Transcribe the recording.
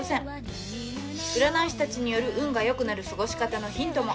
占い師たちによる運が良くなる過ごし方のヒントも。